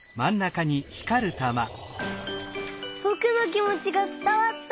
ぼくのきもちがつたわった！